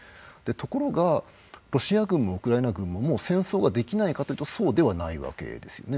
ところがロシア軍もウクライナ軍ももう戦争ができないかというとそうではないわけですね。